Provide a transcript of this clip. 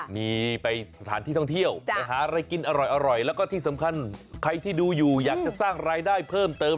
มีไปสถานที่ท่องเที่ยวไปหาอะไรกินอร่อยแล้วก็ที่สำคัญใครที่ดูอยู่อยากจะสร้างรายได้เพิ่มเติม